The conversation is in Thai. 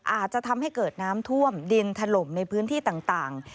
อาจจะทำให้เกิดน้ำท่วมดินถล่มในพื้นที่ต่าง